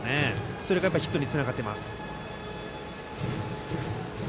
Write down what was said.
それがヒットにつながっています。